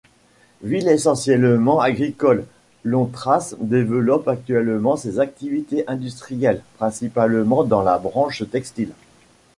Ville essentiellement agricole, Lontras développe actuellement ses activités industrielles, principalement dans la branche textile.